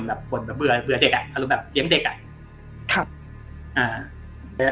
แบบเบื่อเด็กอ่ะอารมณ์แบบเลี้ยงเด็กอ่ะ